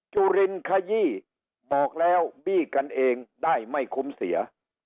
จุลินขยี้บอกแล้วบี้กันเองได้ไม่คุ้มเสีย